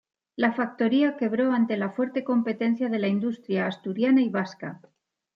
La factoría quebró ante la fuerte competencia de la industria asturiana y vasca.